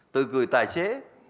từ người tài xế